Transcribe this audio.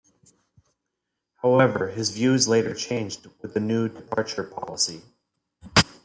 However, his views later changed with the New Departure policy.